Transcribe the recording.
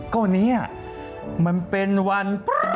ก็วันนี้มันเป็นวัน